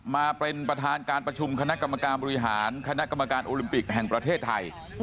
มาเป็นประธานการประชุมคณะกรรมการบริหารคณะกรรมการโอลิมปิกแห่งประเทศไทย